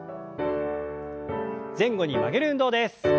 前後に曲げる運動です。